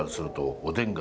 おでんだ！